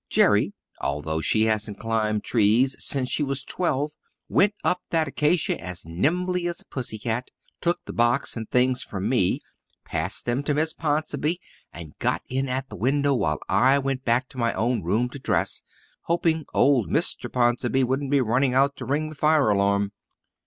Jerry, although she hasn't climbed trees since she was twelve, went up that acacia as nimbly as a pussy cat, took the box and things from me, passed them to Miss Ponsonby, and got in at the window while I went back to my own room to dress, hoping old Mr. Ponsonby wouldn't be running out to ring the fire alarm.